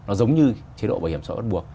nó giống như chế độ bảo hiểm xã hội bắt buộc